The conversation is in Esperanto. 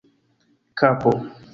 kapo